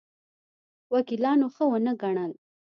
وکیلانو ښه ونه ګڼل.